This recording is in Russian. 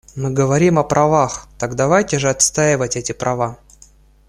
Мы говорим о правах, так давайте же отстаивать эти права.